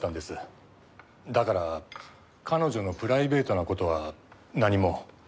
だから彼女のプライベートな事は何も。